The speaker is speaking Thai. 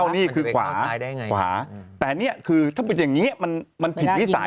นี่คือขวาขวาแต่นี่คือถ้าเป็นอย่างนี้มันผิดวิสัย